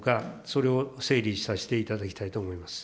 それを整理させていただきたいと思います。